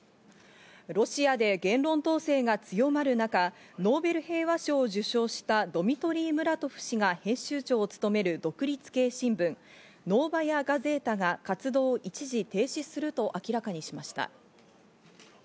ロシアで言論統制が強まる中、ノーベル平和賞を受賞したドミトリー・ムラトフ氏が編集長を務める独立系新聞ノーバヤ・ガゼータが活動を一時停止すると明らかにしました。